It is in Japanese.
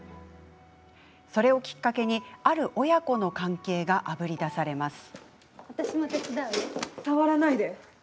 それをきっかけに、ある親子の関係があぶり出されます。